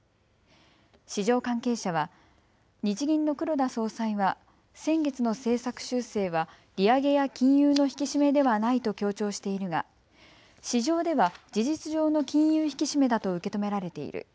市場関係者は日銀の黒田総裁は先月の政策修正は利上げや金融の引き締めではないと強調しているが市場では事実上の金融引き締めだと受け止められている。